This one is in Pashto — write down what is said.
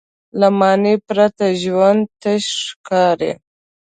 له معنی پرته ژوند تش ښکاري.